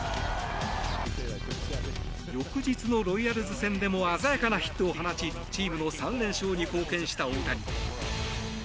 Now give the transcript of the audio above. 翌日のロイヤルズ戦でも鮮やかなヒットを放ちチームの３連勝に貢献した大谷。